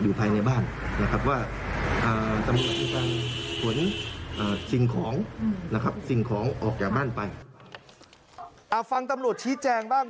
เอาฟังตำรวจชี้แจงบ้าง